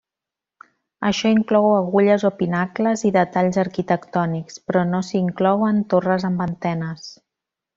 Això inclou agulles o pinacles i detalls arquitectònics, però no s'hi inclouen torres amb antenes.